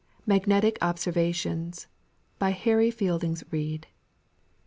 MAGNETIC OBSERVATIONS. BY HARRY FIELDING REID.